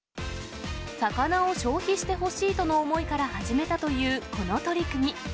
魚を消費してほしいとの思いから始めたというこの取り組み。